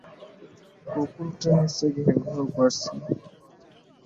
এটি একটি degree college ও বর্ধমান বিশ্ববিদ্যালয়ের অধিভুক্ত।